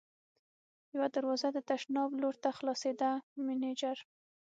یوه دروازه د تشناب لور ته خلاصېده، مېنېجر.